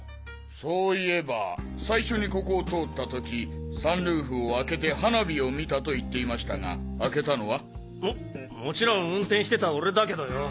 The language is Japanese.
そういえば最初にここを通った時サンルーフを開けて花火を見たと言っていましたが開けたのは？ももちろん運転してた俺だけどよ。